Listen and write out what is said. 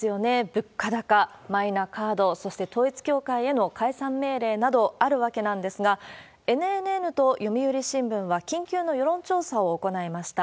物価高、マイナカード、そして統一教会への解散命令などあるわけなんですが、ＮＮＮと読売新聞は緊急の世論調査を行いました。